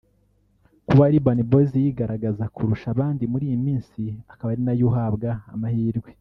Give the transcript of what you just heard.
Kuba Urban Boyz yigaragaza kurusha abandi muri iyi minsi akaba ari nayo uhabwa amahirwe